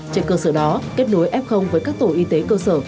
trên cơ sở đó kết nối f với các tổ y tế cơ sở